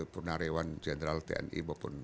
pernah wirawan general tni walaupun